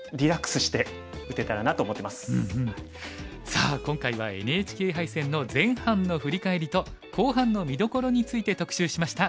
さあ今回はＮＨＫ杯戦の前半の振り返りと後半の見どころについて特集しました。